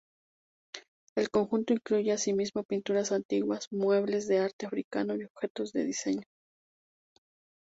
El conjunto incluye así mismo pinturas antiguas, muebles, arte africano y objetos de diseño.